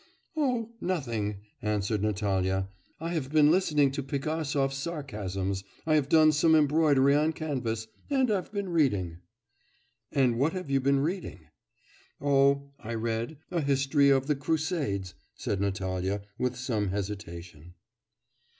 'Oh! nothing,' answered Natalya, 'I have been listening to Pigasov's sarcasms, I have done some embroidery on canvas, and I've been reading.' 'And what have you been reading?' 'Oh! I read a history of the Crusades,' said Natalya, with some hesitation.